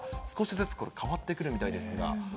少しずつ変わってくるみたいですが。